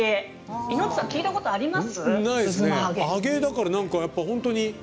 イノッチさん聞いたことあります？